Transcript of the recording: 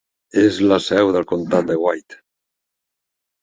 És la seu del comtat de White.